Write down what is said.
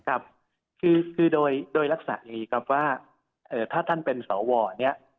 ครับคือโดยลักษณะอย่างนี้ครับว่าถ้าท่านเป็นสวเนี่ย